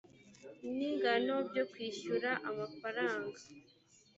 n ingano byo kwishyura amafaranga